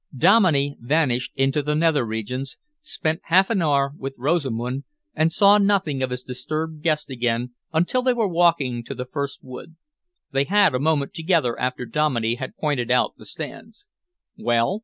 Dominey vanished into the nether regions, spent half an hour with Rosamund, and saw nothing of his disturbed guest again until they were walking to the first wood. They had a moment together after Dominey had pointed out the stands. "Well?"